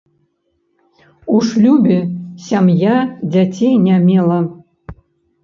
У шлюбе сям'я дзяцей не мела.